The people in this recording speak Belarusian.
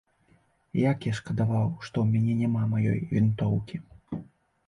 Як я шкадаваў, што ў мяне няма маёй вінтоўкі.